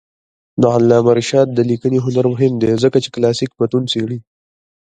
د علامه رشاد لیکنی هنر مهم دی ځکه چې کلاسیک متون څېړي.